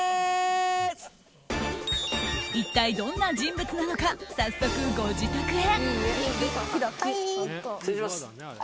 一体どんな人物なのか早速、ご自宅へ。